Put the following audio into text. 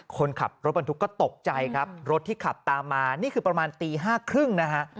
คนขับรถบรรทุกก็ตกใจครับรถที่ขับตามมานี่คือประมาณตี๕๓๐นะฮะ